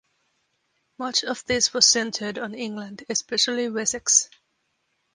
Much of this was centered on England, especially Wessex.